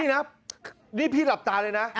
นี่นะนี่พี่หลับตาเลยนะ